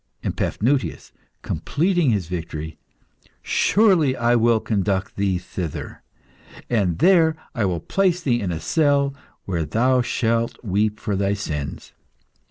And Paphnutius, completing his victory "Surely I will conduct thee thither, and there I will place thee in a cell, where thou shalt weep for thy sins.